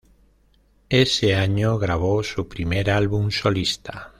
Ese año grabó su primer álbum solista.